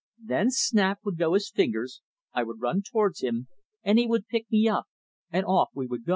Then snap! would go his fingers. I would run towards him, and he would pick me up, and off we would go.